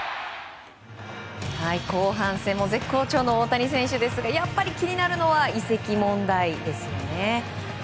後半戦も絶好調の大谷選手ですがやっぱり、気になるのは移籍問題ですよね。